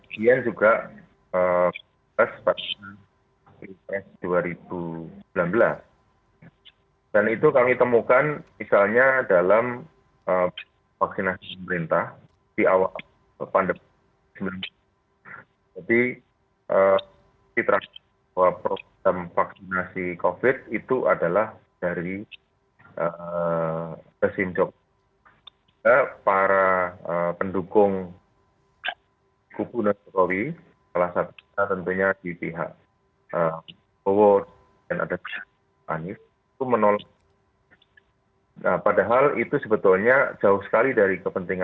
bakal calon presiden dari